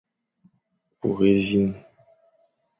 Kur évîn.